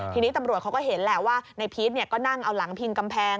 ทีนี้ตำรวจเขาก็เห็นแหละว่าในพีชก็นั่งเอาหลังพิงกำแพง